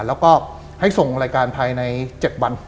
แล้วก็ให้ส่งรายการภายใน๗วัน